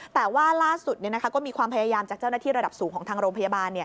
แต่ว่าล่าสุดก็มีความพยายามจากเจ้าหน้าที่ระดับสูงของทางโรงพยาบาล